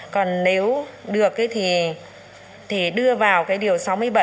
còn nếu được thì đưa vào cái điều sáu mươi bảy